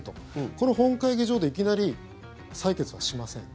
この本会議場でいきなり採決はしません。